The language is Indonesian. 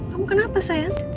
kamu kenapa sayang